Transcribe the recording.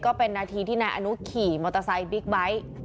ก็เป็นนาทีที่นายอนุขี่มอเตอร์ไซค์บิ๊กไบท์